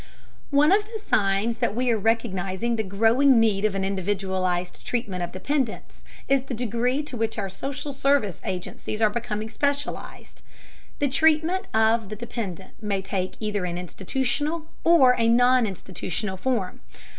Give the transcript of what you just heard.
One of the signs that we are recognizing the growing need of an individualized treatment of dependents, is the degree to which our social service agencies are becoming specialized. The treatment of the dependent may take either an institutional or a non institutional form.